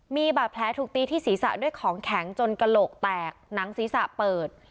มีบาดแผลถูกตีที่ศีรษะด้วยของแข็งจนกระโหลกแตกหนังศีรษะเปิด